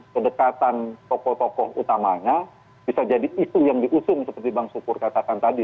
kedekatan tokoh tokoh utamanya bisa jadi isu yang diusung seperti bang sukur katakan tadi